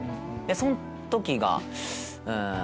そん時が。